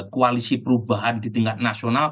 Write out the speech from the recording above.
koalisi perubahan di tingkat nasional